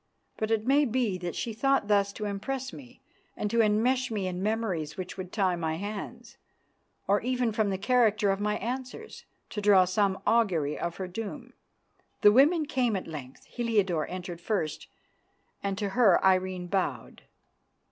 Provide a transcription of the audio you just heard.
But it may be that she thought thus to impress me and to enmesh me in memories which would tie my hands, or even from the character of my answers to draw some augury of her doom. The women came at length. Heliodore entered first, and to her Irene bowed.